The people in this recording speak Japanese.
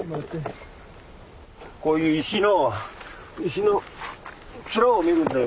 こういう石の石の面を見るんだよ